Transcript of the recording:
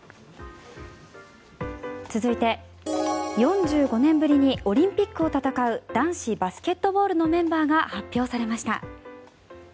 続いて、４５年ぶりにオリンピックを戦う男子バスケットボールのメンバーが発表されました。